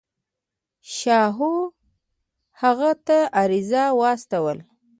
شاهو هغه ته عریضه واستوله.